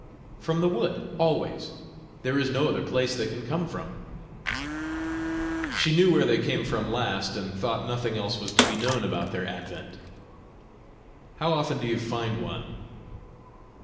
"From the wood always. There is no other place they can come from." She knew where they came from last, and thought nothing else was to be known about their advent. "How often do you find one?"